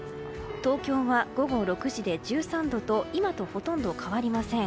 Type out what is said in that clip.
東京は午後６時で１３度と今とほとんど変わりません。